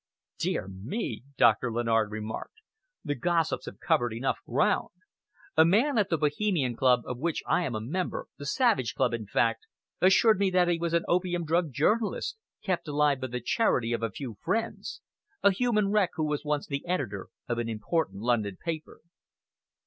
"Dear me!" Doctor Lennard remarked. "The gossips have covered enough ground! A man at a Bohemian club of which I am a member the Savage Club, in fact assured me that he was an opium drugged journalist, kept alive by the charity of a few friends; a human wreck, who was once the editor of an important London paper."